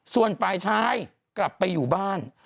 ส่วนฝ่ายชายกลับไปอยู่บ้าน